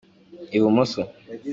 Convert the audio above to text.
ibumoso.